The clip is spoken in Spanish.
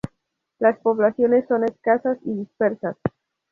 Las poblaciones son escasas y dispersas.